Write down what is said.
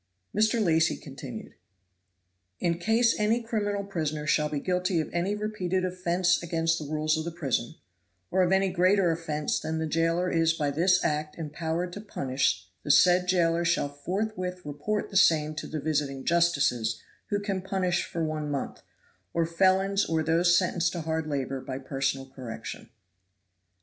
Mr. Lacy continued: "'In case any criminal prisoner shall be guilty of any repeated offense against the rules of the prison, or of any greater offense than the jailer is by this act empowered to punish, the said jailer shall forthwith report the same to the visiting justices, who can punish for one month, or felons or those sentenced to hard labor by personal correction.'"